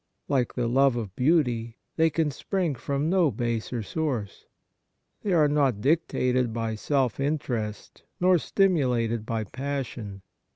Like the love of beauty, they can spring from no baser source. They are not dictated by self interest nor stimulated by passion.